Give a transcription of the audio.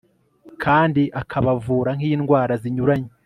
kandi akabavura n'indwara zinyuranye